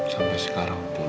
sampai sekarang pun